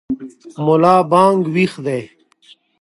ملا بانګ ویښ دی.